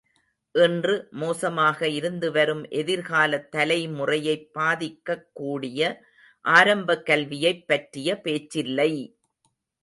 இன்று மோசமாக இருந்துவரும் எதிர்காலத் தலைமுறையைப் பாதிக்கக் கூடிய ஆரம்பக் கல்வியைப் பற்றிய பேச்சில்லை!